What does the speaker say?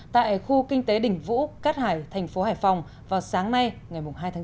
tại khu kinh tế đỉnh vũ cát hải thành phố hải phòng vào sáng nay ngày hai tháng chín